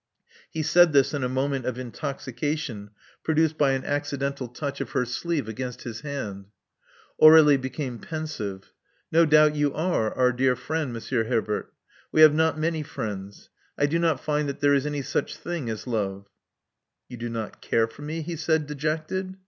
He said this in a moment of intoxication, produced by an accidental touch of her sleeve against his hand. Aur^lie became pensive. '*No doubt you are our dear friend, Monsieur Herbert. We have not many 204 L6t6 AmoQg the Artist friends. I do not find that there is any sttoh thfaig as love." ..*' Yon do not care for me/' he said, dejected.